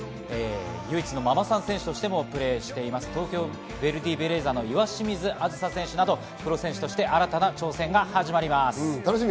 唯一のママさん選手としてもプレーしている東京ヴェルディベレーザの岩清水梓選手など、プロ選手として新たな挑戦が始まります。